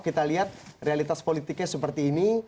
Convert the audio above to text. kita lihat realitas politiknya seperti ini